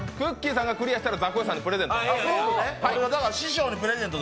さんがクリアしたらザコシさんにプレゼント。